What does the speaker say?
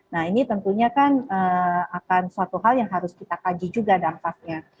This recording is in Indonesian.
nah ini tentunya kan akan suatu hal yang harus kita kaji juga dampaknya